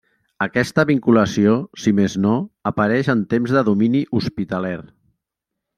Aquesta vinculació, si més no, apareix en temps de domini hospitaler.